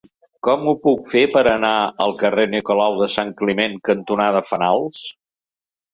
Com ho puc fer per anar al carrer Nicolau de Sant Climent cantonada Fenals?